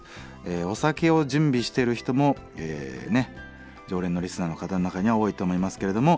お酒を準備してる人も常連のリスナーの方の中には多いと思いますけれども